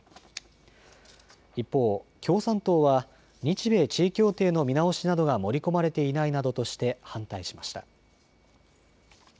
一方、共産党は日米地位協定の見直しなどが盛り込まれていないなどとして反対しました。